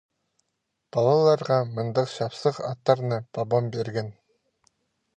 Палаларға мындағ чапсых аттарны пабам пирген.